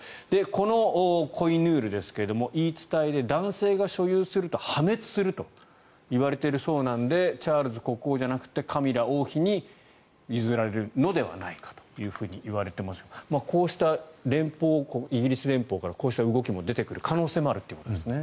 このコイヌールですが言い伝えで男性が所有すると破滅するといわれているそうなのでチャールズ国王じゃなくてカミラ王妃に譲られるのではないかといわれていますけどもこうしたイギリス連邦からこうした動きが出てくる可能性もあるということですね。